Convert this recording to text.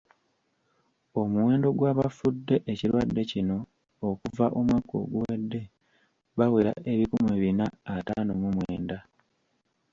Omuwendo gw’abafudde ekirwadde kino okuva omwaka oguwedde bawera ebikumi bina ataano mu mwenda.